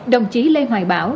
đồng chí lê hoài bảo